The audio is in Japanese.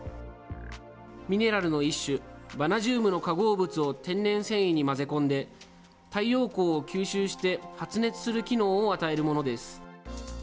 ミネラルの一種、バナジウムの化合物を天然繊維に混ぜ込んで、太陽光を吸収して発熱する機能を与えるものです。